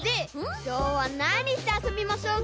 きょうはなにしてあそびましょうか？